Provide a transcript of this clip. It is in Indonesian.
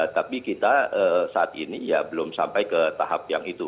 tapi kita saat ini ya belum sampai ke tahap yang itu